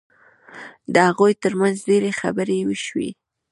د هغوی ترمنځ ډېرې خبرې وشوې